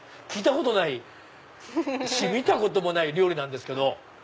聞いたことないし見たこともない料理なんですけど。